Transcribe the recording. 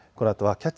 「キャッチ！